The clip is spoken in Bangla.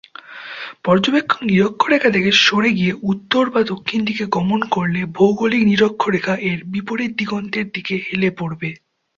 পর্যবেক্ষক নিরক্ষরেখা থেকে সরে গিয়ে উত্তর বা দক্ষিণ দিকে গমন করলে ভৌগোলিক নিরক্ষরেখা এর বিপরীত দিগন্তের দিকে হেলে পড়বে।